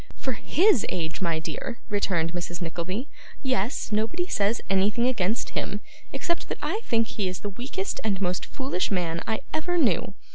'For HIS age, my dear!' returned Mrs. Nickleby, 'yes; nobody says anything against him, except that I think he is the weakest and most foolish man I ever knew.